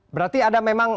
berarti ada memang